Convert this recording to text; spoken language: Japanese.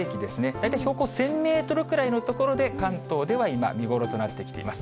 大体標高１０００メートルぐらいの所で、関東では今、見頃となってきています。